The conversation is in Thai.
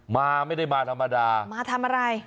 มาไม่ได้มาธรรมดามาทำอะไร